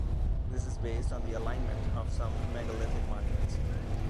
This is based on the alignment of some Megalithic monuments.